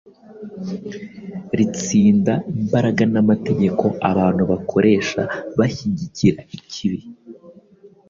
ritsinda imbaraga n’amategeko abantu bakoresha bashyigikira ikibi.